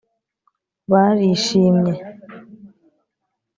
barishimye